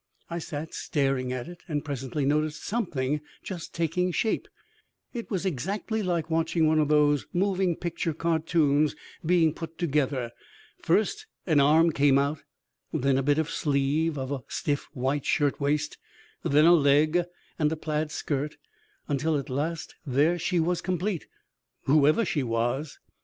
I sat staring at it and presently noticed something just taking shape. It was exactly like watching one of these moving picture cartoons being put together. First an arm came out, then a bit of sleeve of a stiff white shirtwaist, then a leg and a plaid skirt, until at last there she was complete, whoever she was.